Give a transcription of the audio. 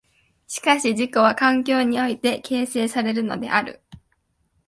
しかし自己は環境において形成されるのである。